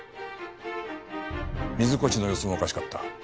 水越の様子もおかしかった。